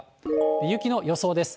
雪の予想です。